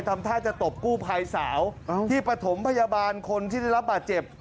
ทำท่าจะตบกู้ภัยสาวที่ประถมพยาบาลคนที่ได้รับบาดเจ็บ